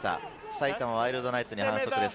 埼玉ワイルドナイツに反則です。